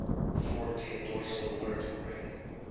Fourteen dorsal vertebrae.